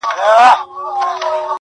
o د گران صفت كومه.